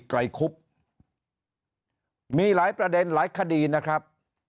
ไรคุบมีหลายประเด็นหลายคดีนะครับ